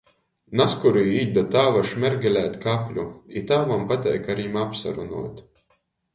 Nazkurī īt da tāvam šmergelēt kapļu, i tāvam pateik ar jim apsarunuot.